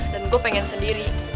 dan gue pengen sendiri